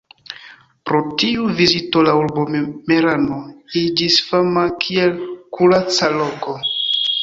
Pro tiu vizito la urbo Merano iĝis fama kiel kuraca loko.